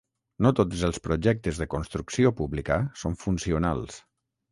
No tots els projectes de construcció pública són funcionals.